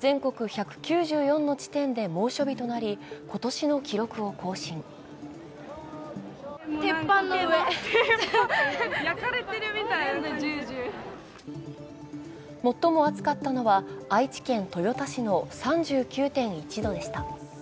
全国１９４の地点で猛暑日となり、今年の記録を更新最も暑かったのは愛知県豊田市の３９．１度でした。